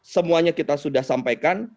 semuanya kita sudah sampaikan